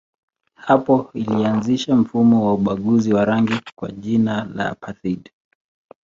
Hapo ilianzisha mfumo wa ubaguzi wa rangi kwa jina la apartheid.